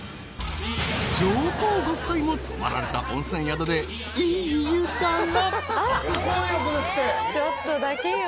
［上皇ご夫妻も泊まられた温泉宿で「いい湯だな」］